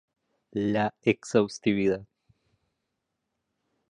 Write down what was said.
La exhaustividad.